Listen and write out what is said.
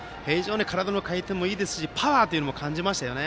体の回転もいいですしパワーも感じましたよね。